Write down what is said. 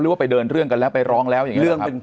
หรือว่าไปเดินเรื่องกันแล้วไปร้องแล้วอย่างนี้หรือเปล่าครับ